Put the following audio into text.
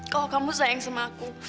kalau kamu sayang sama aku